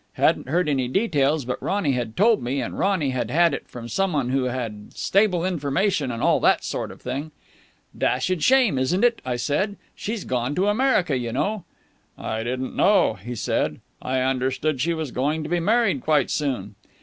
Hadn't heard any details, but Ronny had told me, and Ronny had had it from some one who had stable information and all that sort of thing. 'Dashed shame, isn't it?' I said. 'She's gone to America, you know.' 'I didn't know,' he said. 'I understood she was going to be married quite soon.'